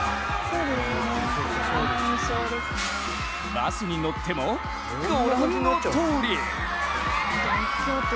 バスに乗っても、ご覧のとおり！